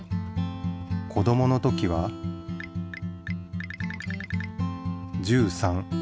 子どもの時は１３。